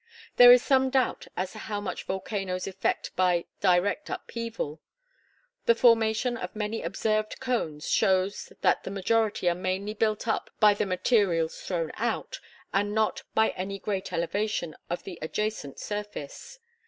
There is some doubt as to how much volcanoes effect by direct upheaval. The formation of many observed cones shows that the majority are mainly built up by the materials thrown out, and not by any great elevation of the adjacent surface.